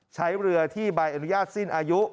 ใช้เรือที่ใบอนุญาตสิ้นอายุ